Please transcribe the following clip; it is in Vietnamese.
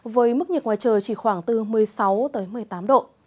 với mức nhiệt ngoài trời chỉ khoảng từ một mươi sáu một mươi tám độ